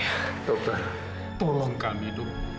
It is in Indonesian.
dokter tolong kami dulu